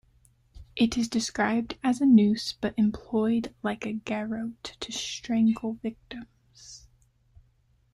It is described as a noose but employed like a garotte to strangle victims.